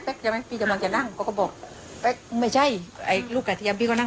ใช่ไหมพี่กำลังจะนั่งเขาก็บอกแป๊กไม่ใช่ไอ้ลูกกระเทียมพี่ก็นั่ง